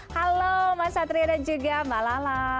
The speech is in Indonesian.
halo mas satria dan juga mbak lala